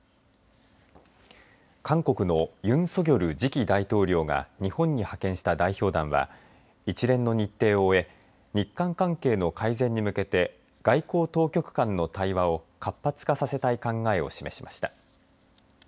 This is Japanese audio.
韓国のユン・ソギョル次期大統領が日本に派遣した代表団は一連の日程を終え日韓関係の改善に向けて外交当局間の対話を活発化させたい考えを示しました。